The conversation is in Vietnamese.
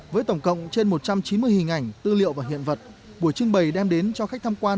với tổng cộng trên một trăm chín mươi hình ảnh tư liệu và hiện vật buổi trưng bày đem đến cho khách tham quan